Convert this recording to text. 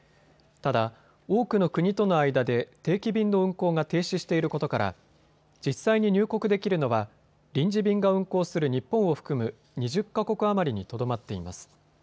ただ、多くの国との間で定期便の運航が停止していることから実際に入国できるのは臨時便が運航する日本を含む２０か国余りにとどまっています。